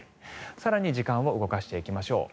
更に時間を動かしていきましょう。